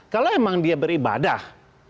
kalau emang dia beribadah